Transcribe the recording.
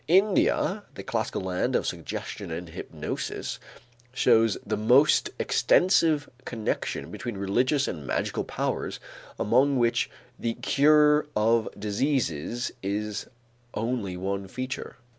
India, the classical land of suggestion and hypnosis, shows the most extensive connection between religious and magical powers among which the cure of diseases is only one feature.